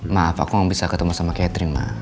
maaf aku gak bisa ketemu sama catherine ma